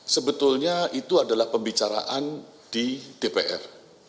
sebetulnya itu adalah pembicaraan di dpr